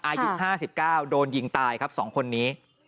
อายุ๕๙โดนยิงตายครับ๒คนนี้